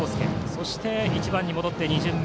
そして、１番に戻って２巡目。